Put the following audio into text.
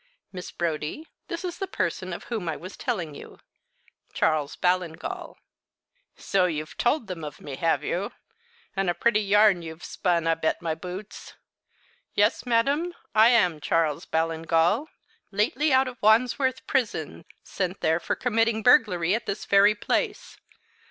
Miss Brodie, this is the person of whom I was telling you Charles Ballingall." "So you have told them of me, have you? And a pretty yarn you've spun, I bet my boots. Yes, madam, I am Charles Ballingall, lately out of Wandsworth Prison, sent there for committing burglary at this very place.